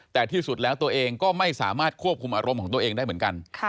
แต่ที่สุดแล้วตัวเองก็ไม่สามารถควบคุมอารมณ์ของตัวเองได้เหมือนกัน